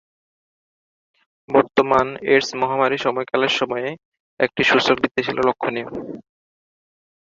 বর্তমান এইডস মহামারী সময়কালের সময়ে একটি সূচক বৃদ্ধি ছিল লক্ষনীয়।